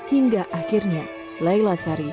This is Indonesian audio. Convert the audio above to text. hingga akhirnya laila sempat berada di rumah